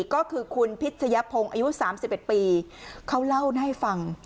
ก็คือคุณพิษยภงอายุสามสิบเอ็ดปีเขาเล่าให้ฟัง